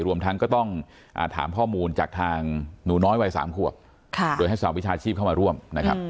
รวมทั้งก็ต้องถามข้อมูลจากทางหนูน้อยวัย๓ขวบโดยให้สาวิชาชีพเข้ามาร่วมนะครับ